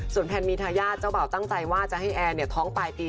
ส่วนแพนมิถยาเจ้าเบาตั้งใจว่าจะให้แอร์เนี่ยท้องปลายปี